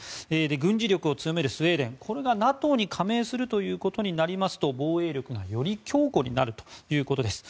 軍事力を強めるスウェーデンこれがＮＡＴＯに加盟するということになりますと防衛力がより強固になるということです。